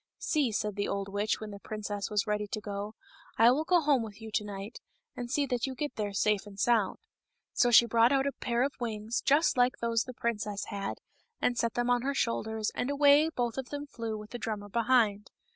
" See," said the old witch when the princess was ready to go, " I will go home with you to night, and see that you get there safe and sound." So she brought out a pair of wings, just like those the princess had, and set them on her shoulders, and away both of them flew with the drummer behind.